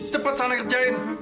cepat sana kerjain